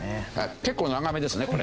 結構長めですねこれ。